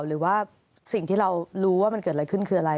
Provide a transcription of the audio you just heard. หรือว่าสิ่งที่เรารู้ว่ามันเกิดอะไรขึ้นคืออะไร